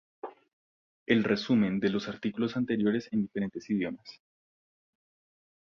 El resumen de los artículos anteriores en diferentes idiomas.